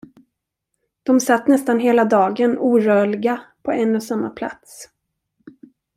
De satt nästan hela dagen orörliga på en och samma plats.